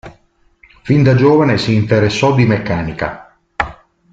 Fin da giovane si interessò di meccanica.